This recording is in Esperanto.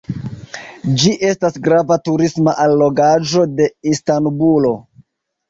Ĝi estas grava turisma allogaĵo de Istanbulo.